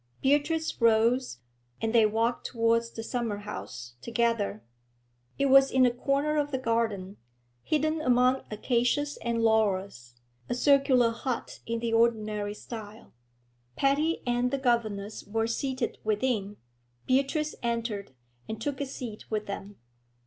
Beatrice rose, and they walked towards the summer house together. It was in a corner of the garden, hidden among acacias and laurels, a circular hut in the ordinary style. Patty and the governess were seated within. Beatrice entered, and took a scat with them.